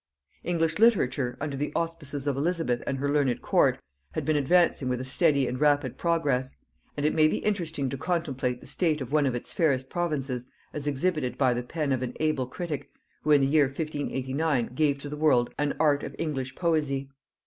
English literature, under the auspices of Elizabeth and her learned court, had been advancing with a steady and rapid progress; and it may be interesting to contemplate the state of one of its fairest provinces as exhibited by the pen of an able critic, who in the year 1589 gave to the world an Art of English Poesy.